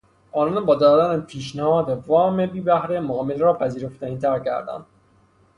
آنان با دادن پیشنهاد وام بیبهره معامله را پذیرفتنیتر کردند.